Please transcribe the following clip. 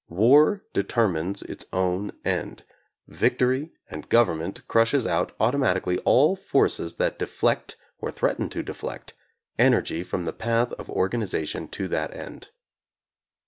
War determines its own end — victory, and govern ment crushes out automatically all forces that de flect, or threaten to deflect, energy from the path of organization to that end.